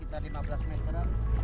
sekitar lima belas meter